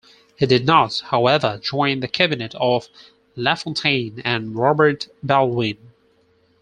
He did not, however, join the cabinet of Lafontaine and Robert Baldwin.